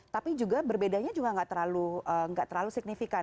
tapi juga berbedanya juga nggak terlalu signifikan